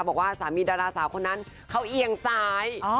บอกว่าสามีดาราสาวคนนั้นเขาเอียงซ้าย